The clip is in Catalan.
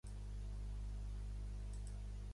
Adreçada a la pastoral arxiprestal i parroquial.